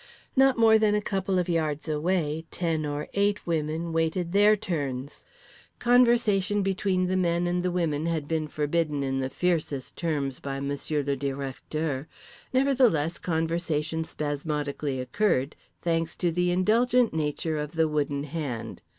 Not more than a couple of yards away ten or eight women waited their turns. Conversation between the men and the women had been forbidden in the fiercest terms by Monsieur le Directeur: nevertheless conversation spasmodically occurred, thanks to the indulgent nature of the Wooden Hand.